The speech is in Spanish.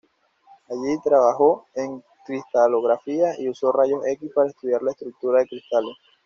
Allí trabajó en cristalografía y usó rayos X para estudiar la estructura de cristales.